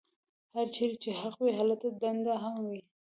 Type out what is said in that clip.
هرچېرې چې حق وي هلته دنده هم وي.